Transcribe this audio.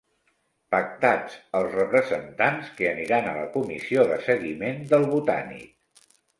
Pactats els representats que aniran a la comissió de seguiment del Botànic